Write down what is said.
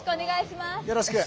よろしく。